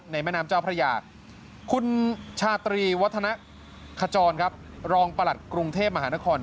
แม่น้ำเจ้าพระยาคุณชาตรีวัฒนขจรรองประหลัดกรุงเทพมหานคร